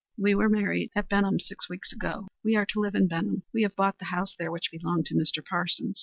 "We were married at Benham six weeks ago. We are to live in Benham. We have bought the house there which belonged to Mr. Parsons.